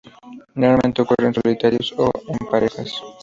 Normalmente ocurren solitarios o en parejas.